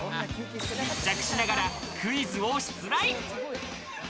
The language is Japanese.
密着しながらクイズを出題！